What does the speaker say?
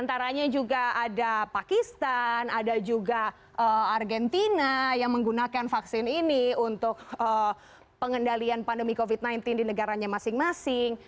antaranya juga ada pakistan ada juga argentina yang menggunakan vaksin ini untuk pengendalian pandemi covid sembilan belas di negaranya masing masing